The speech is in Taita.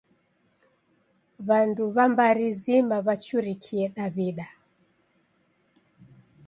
W'andu w'a mbari zima w'achurikie Daw'ida.